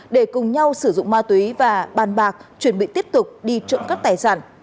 để cùng nhau sử dụng ma túy và bàn bạc chuẩn bị tiếp tục đi trộm cắp tài sản